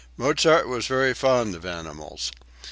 Mozart was very fond of animals.